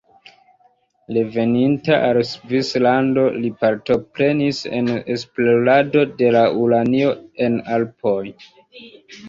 Reveninta al Svislando li partoprenis en esplorado de uranio en Alpoj.